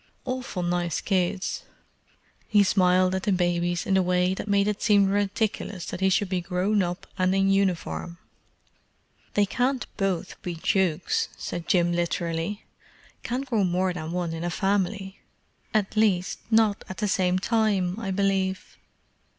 Awful nice kids." He smiled at the babies in the way that made it seem ridiculous that he should be grown up and in uniform. "They can't both be dukes," said Jim literally. "Can't grow more than one in a family; at least not at the same time, I believe."